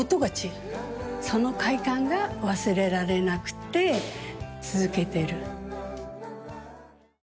その快感が忘れられなくて続けてる。